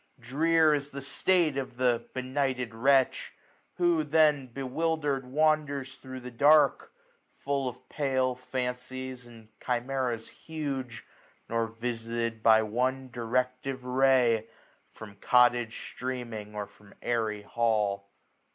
Drear is the state of the benighted wretch. Who then, bewilder'd, wanders thro' the dark. Full of pale fancies, and chimeras huge; 1145 Nor visited by one directive ray, From cottage streaming, or from airy hall.